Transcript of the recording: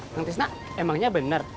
kang tisna emangnya bener